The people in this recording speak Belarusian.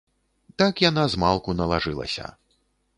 Так яна змалку налажылася.